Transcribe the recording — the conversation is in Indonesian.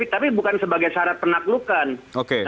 tapi bukan sebagai syarat penaklukan